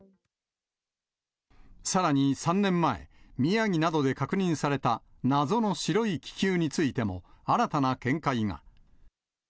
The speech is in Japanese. さらに３年前、宮城などで確認された謎の白い気球についても、新たな見解が。